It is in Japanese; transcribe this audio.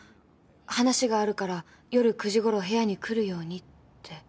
話があるから夜９時ごろ部屋に来るようにって。